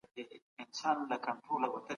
که تاسي متحد سئ د هیواد اقتصاد به قوي سي.